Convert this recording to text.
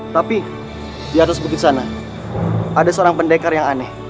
tapi di atas bukit sana ada seorang pendekar yang aneh